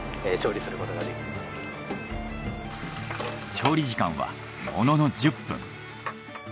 調理時間はものの１０分。